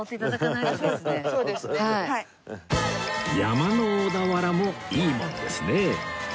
山の小田原もいいもんですねえ